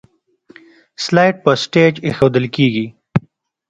سلایډ په سټیج ایښودل کیږي.